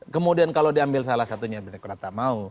kemudian kalau diambil salah satunya